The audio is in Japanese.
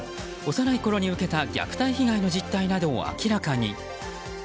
幼いころに受けた虐待被害の実態などを明らかに。